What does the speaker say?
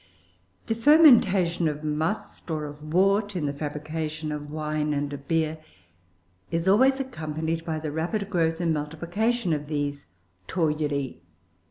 The fermentation of must, or of wort, in the fabrication of wine and of beer, is always accompanied by the rapid growth and multiplication of these Toruloe.